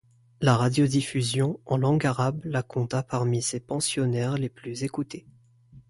La radiodiffusion en langue arabe la compta parmi ses pensionnaires les plus écoutés.